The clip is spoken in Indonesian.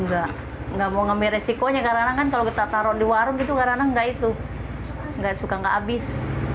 tidak mau ambil resikonya karena kalau kita taruh di warung tidak suka tidak habis